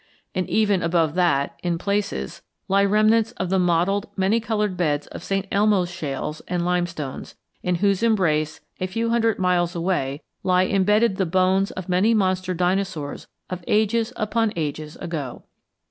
And even above that, in places, lie remnants of the mottled, many colored beds of St. Elmo shales and limestones in whose embrace, a few hundred miles away, lie embedded the bones of many monster dinosaurs of ages upon ages ago.